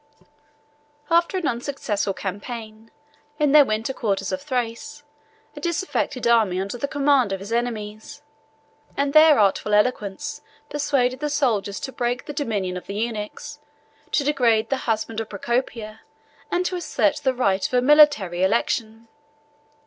After an unsuccessful campaign, the emperor left, in their winter quarters of Thrace, a disaffected army under the command of his enemies; and their artful eloquence persuaded the soldiers to break the dominion of the eunuchs, to degrade the husband of Procopia, and to assert the right of a military election.